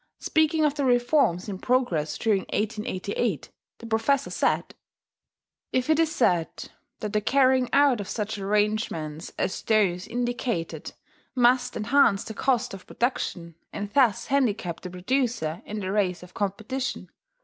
Speaking of the reforms in progress during 1888. the professor said: "If it is said that the carrying out of such arrangements as those indicated must enhance the cost of production, and thus handicap the producer in the race of competition.